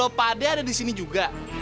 iya dilepasin aja